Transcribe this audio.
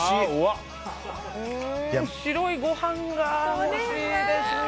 白いご飯が欲しいですね。